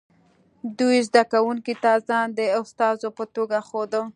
دوی زده کوونکو ته ځان د استازو په توګه ښوده